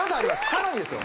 さらにですよ